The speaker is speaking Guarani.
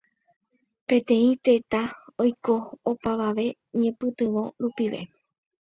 Peteĩ tetã oiko opavave ñepytyvõ rupive.